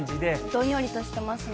どんよりとしてますね。